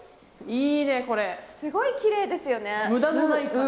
すごいきれいですよね。